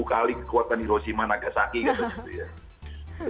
dua ribu kali kekuatan hiroshima nagasaki gitu